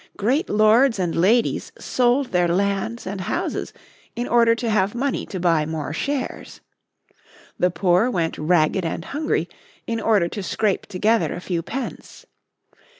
Great lords and ladies sold their lands and houses in order to have money to buy more shares. The poor went ragged and hungry in order to scrape together a few pence.